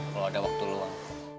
kalau ada waktu luang